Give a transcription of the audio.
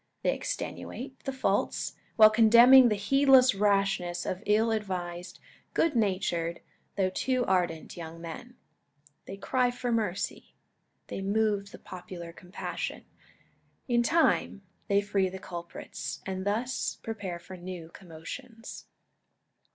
They extenuate the faults, while condemning the heedless rashness of ill advised, good natured, though too ardent, young men. They cry for mercy. They move the popular compassion. In time, they free the culprits, and thus prepare for new commotions.